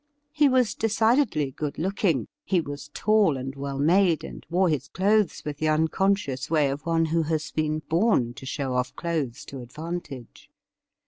He was decidedly good looking — ^he was tall and well made, and wore his clothes with the unconscious way of one who has been born to show off clothes to advantage.